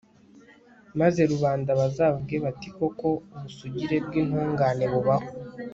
maze rubanda bazavuge bati koko ubusugire bw'intungane bubaho